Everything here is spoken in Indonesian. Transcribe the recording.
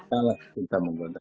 kala cinta menggoda